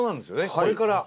これから。